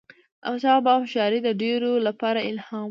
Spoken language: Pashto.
د احمدشاه بابا هوښیاري د ډیرو لپاره الهام و.